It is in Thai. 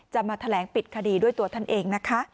จะมาแถลงปิดคดีด้วยตัวท่านเองนะคะ